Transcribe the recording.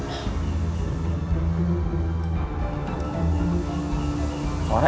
nah tak ada